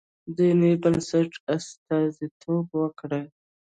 دیني بنسټ استازیتوب وکړي.